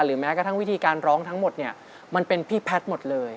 แม้กระทั่งวิธีการร้องทั้งหมดเนี่ยมันเป็นพี่แพทย์หมดเลย